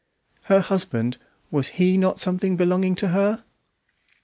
Her husband, was he not something belonging to her?